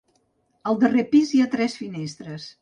Al darrer pis hi ha tres finestres.